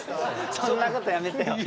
そんなことやめてよ。